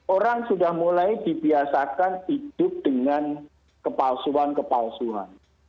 orang sudah mulai dibiasakan hidup dengan kepalsuan kepalsuan